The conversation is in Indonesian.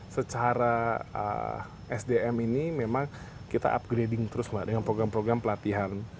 secara sdm ini memang kita upgrading terus mbak dengan program program pelatihan